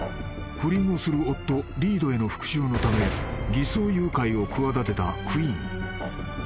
［不倫をする夫リードへの復讐のため偽装誘拐を企てたクイン］